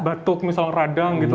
batuk misal radang gitu